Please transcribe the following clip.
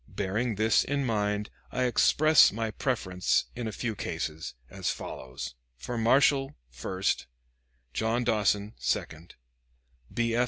Bearing this in mind, I express my preference in a few cases, as follows: for Marshal, first, John Dawson, second, B. F.